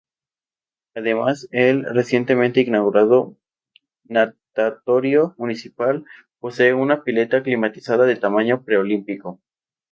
Además del recientemente inaugurado Natatorio Municipal posee una pileta climatizada de tamaño preolímpico.